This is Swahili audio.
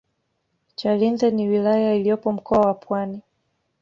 chalinze ni wilaya iliyopo mkoa wa pwani